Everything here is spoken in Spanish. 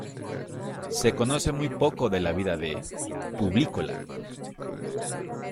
Se conoce muy poco de la vida de Publícola.